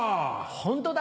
ホントだ。